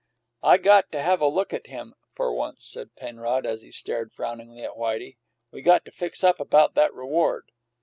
"I got to have a good look at him, for once," said Penrod, as he stared frowningly at Whitey. "We got to fix up about that reward."